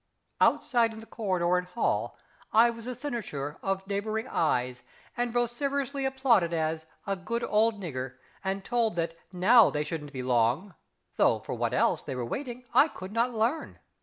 Outside in the corridor and hall I was the cynosure of neighbouring eyes, and vociferously applauded as a "good old nigger," and told that "now they shouldn't be long," though for what else they were waiting I could not learn.